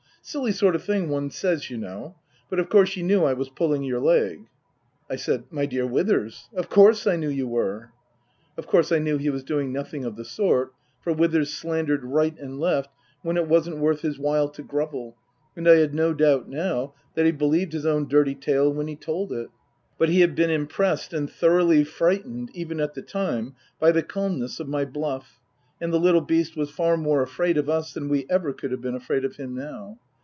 Silly sort of thing one says, you know. But of course you knew I was pulling your leg." I said, " My dear Withers, of course I knew you were." Of course I knew he was doing nothing of the sort, for Withers slandered right and left when it wasn't worth his while to grovel, and I had no doubt now that he believed his own dirty tale when he told it ; but he had been impressed and thoroughly frightened, even at the time, by the calmness of my bluff, and the little beast was far more afraid of us than we ever could have been of him now.